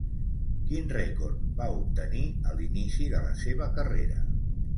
Quin rècord va obtenir a l'inici de la seva carrera?